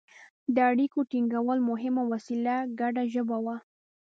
د اړیکو ټینګولو مهمه وسیله ګډه ژبه وه